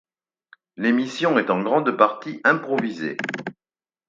L'émission est en grande partie improvisée.